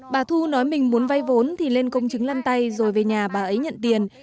bà thu nói mình muốn vay vốn thì lên công chứng lăn tay rồi về nhà bà ấy nhận tiền